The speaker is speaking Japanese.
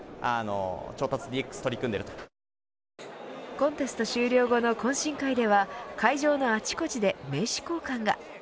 コンテスト終了後の懇親会では会場のあちこちで名刺交換が。